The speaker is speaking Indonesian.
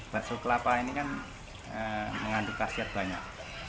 bakso kelapa ini kan mengandung khasiat banyak